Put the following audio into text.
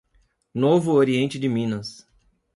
Novo Oriente de Minas